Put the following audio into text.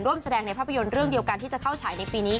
ร่วมแสดงในภาพยนตร์เรื่องเดียวกันที่จะเข้าฉายในปีนี้